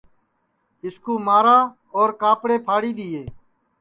اِس کُو مارا اور کاپڑے پھاڑی دِیئے